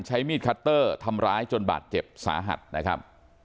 ใช้มีดคัตเตอร์ทำร้ายจนบาดเจ็บสาหัสนะครับ